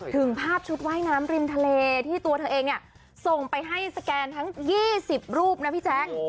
ภาพชุดว่ายน้ำริมทะเลที่ตัวเธอเองเนี่ยส่งไปให้สแกนทั้ง๒๐รูปนะพี่แจ๊ค